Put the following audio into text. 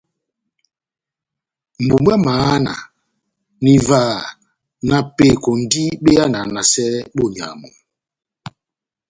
Mbumbu ya mahana na ivaha na peko ndi be yananasɛ bonyamu.